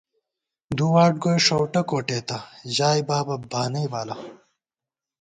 دو واٹ گوئی ݭؤٹہ کوٹېتہ، ژائےبابہ بانئ بالہ